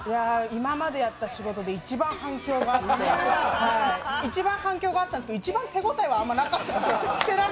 今までやった仕事で一番反響があって一番反響があったんですけど一番手応えはなくて。